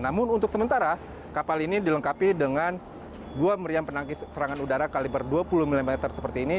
namun untuk sementara kapal ini dilengkapi dengan dua meriam penangkis serangan udara kaliber dua puluh mm seperti ini